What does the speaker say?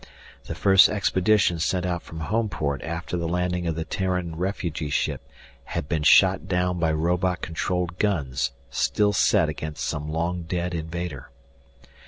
The first expedition sent out from Homeport after the landing of the Terran refugee ship had been shot down by robot controlled guns still set against some long dead invader.